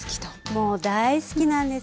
もう大好きなんです。